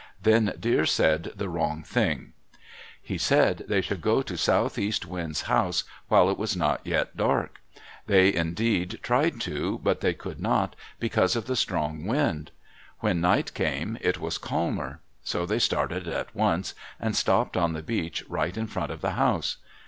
Then Deer said the wrong thing. He said they should go to Southeast Wind's house while it was not yet dark. They indeed tried to, but they could not, because of the strong wind. When night came, it was calmer. So they started at once, and stopped on the beach right in front of the house.